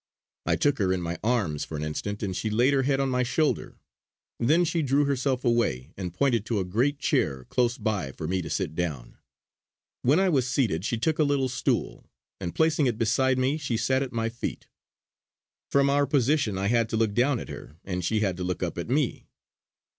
I took her in my arms for an instant, and she laid her head on my shoulder. Then she drew herself away, and pointed to a great chair close by for me to sit down. When I was seated she took a little stool, and placing it beside me, sat at my feet. From our position I had to look down at her, and she had to look up at me.